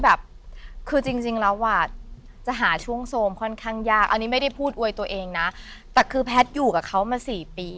แบบคือจริงแล้วอ่ะจะหาช่วงโทรมค่อนข้างยากอันนี้ไม่ได้พูดอวยตัวเองนะแต่คือแพทย์อยู่กับเขามาสี่ปี